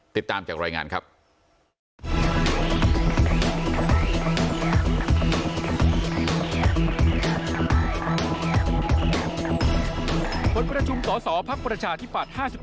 ติดตามจากรายงานครับ